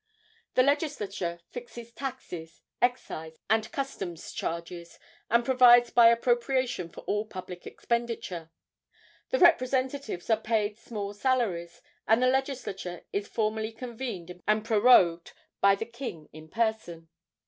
The Legislature fixes tax, excise and customs charges, and provides by appropriation for all public expenditure. The representatives are paid small salaries, and the Legislature is formally convened and prorogued by the king in person.